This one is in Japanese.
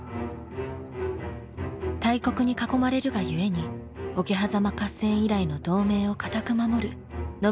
大国に囲まれるがゆえに桶狭間合戦以来の同盟を堅く守る信長と家康。